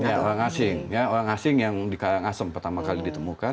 banyak orang asing orang asing yang di karangasem pertama kali ditemukan